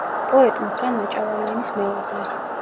პოეტ მუხრან მაჭავარიანის მეუღლე.